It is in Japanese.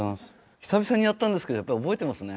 久々にやったんですけどやっぱり覚えてますね。